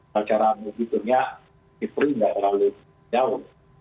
pacaran kita hitungnya tidak terlalu jauh